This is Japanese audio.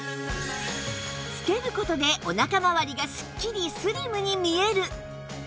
着ける事でお腹まわりがスッキリスリムに見える！